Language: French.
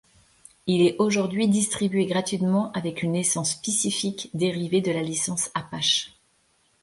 Il est aujourd'hui distribué gratuitement avec une licence spécifique dérivée de la licence Apache.